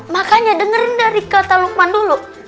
makanya dengerin dari kata lukman dulu